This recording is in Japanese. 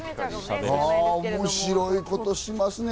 面白いことしますね。